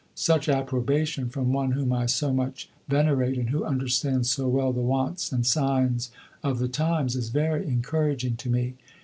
Such approbation from one whom I so much venerate, and who understands so well the wants and signs of the times, is very encouraging to me.